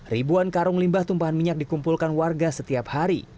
ribuan karung limbah tumpahan minyak dikumpulkan warga setiap hari